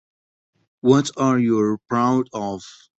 What are your proud of?